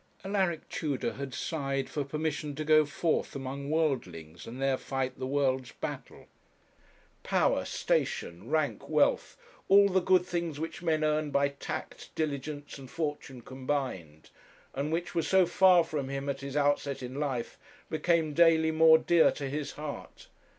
Alaric Tudor had sighed for permission to go forth among worldlings and there fight the world's battle. Power, station, rank, wealth, all the good things which men earn by tact, diligence, and fortune combined, and which were so far from him at his outset in life, became daily more dear to his heart.